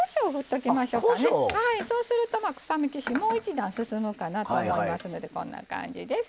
そうすると臭み消しもう一段進むかなと思いますのでこんな感じです。